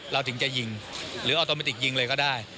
เราถึงจะยิงหรือออโตเมติกยิงเลยก็ได้